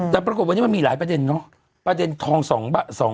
แต่ปรากฏวันนี้มันมีหลายประเด็นเนอะประเด็นทอง๒บาท